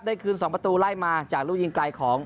คืน๒ประตูไล่มาจากลูกยิงไกลของ